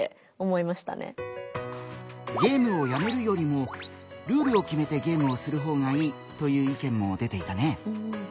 「ゲームをやめるよりもルールを決めてゲームをする方がいい」という意見も出ていたね。